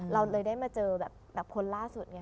เราเลยได้มาเจอแบบคนล่าสุดไง